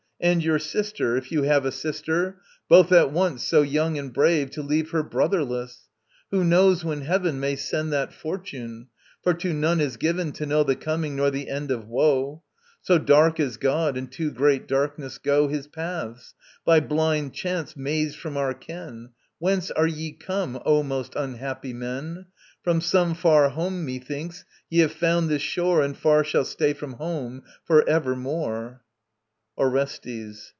And your sister, if you have A sister: both at once, so young and brave To leave her brotherless! Who knows when heaven May send that fortune? For to none is given To know the coming nor the end of woe; So dark is God, and to great darkness go His paths, by blind chance mazed from our ken. Whence are ye come, O most unhappy men? From some far home, methinks, ye have found this shore And far shall stay from home for evermore. ORESTES.